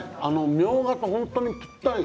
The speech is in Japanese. みょうがと本当にぴったり。